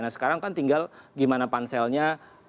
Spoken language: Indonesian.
nah sekarang kan tinggal gimana panselnya